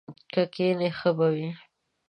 که کښېنې ښه به وي!